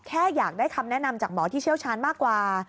แค่อยากได้คำแนะนำจากหมอที่เชี่ยวชาญมากกว่า